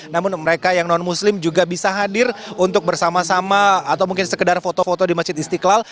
namun mereka yang non muslim juga bisa hadir untuk bersama sama atau mungkin sekedar foto foto di masjid istiqlal